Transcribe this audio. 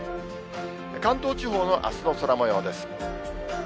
関東地方のあすの空もようです。